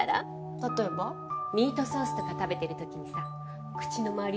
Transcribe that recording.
例えば？ミートソースとか食べてる時にさ口の周り